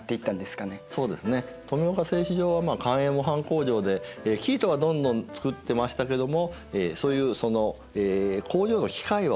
製糸場は官営模範工場で生糸はどんどんつくってましたけどもそういうその工場の機械は遅れてるわけですね。